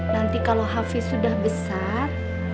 nanti kalau hafi sudah besar